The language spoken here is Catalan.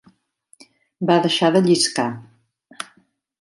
Va deixar de lliscar.